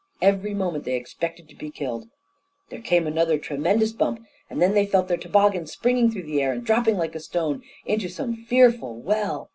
Every moment they expected to be killed. There came another tremendous bump. And then they felt their toboggan springing through the air and dropping like a stone into some fearful well.